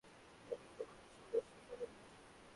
ও একা বসে ছিল, সেকারণেই।